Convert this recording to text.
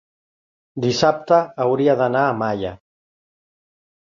dissabte hauria d'anar a Malla.